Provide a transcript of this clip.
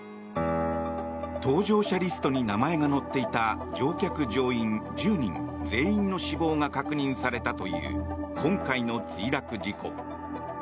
搭乗者リストに名前が載っていた乗客・乗員１０人全員の死亡が確認されたという今回の墜落事故。